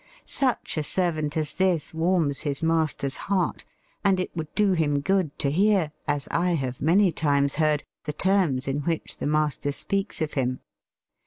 Such a servant as this warms his master's heart, and it would do him good to hear, as I have many times heard, the terms in which the master speaks of him.